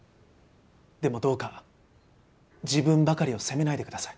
でもどうか自分ばかりを責めないでください。